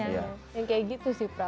yang kayak gitu sih pra